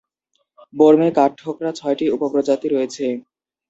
বর্মী কাঠঠোকরা ছয়টি উপ-প্রজাতি রয়েছে।